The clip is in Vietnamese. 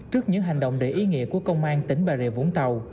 trước những hành động đầy ý nghĩa của công an tỉnh bà rịa vũng tàu